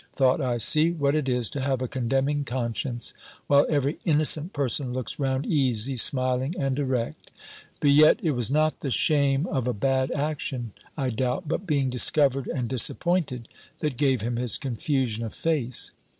thought I, "see what it is to have a condemning conscience; while every innocent person looks round easy, smiling, and erect!" But yet it was not the shame of a bad action, I doubt, but being discovered and disappointed, that gave him his confusion of face.